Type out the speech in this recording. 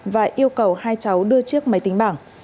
và yêu cầu hai cháu đưa chiếc máy tính bảng